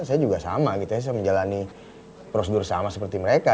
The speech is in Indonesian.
saya juga sama gitu ya saya menjalani prosedur sama seperti mereka